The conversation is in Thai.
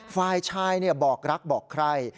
ฝ่ายชายเนี่ยบอกรักบอกใคร